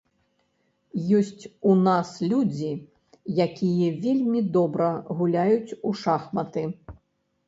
Ёсць у нас людзі, які вельмі добра гуляюць у шахматы.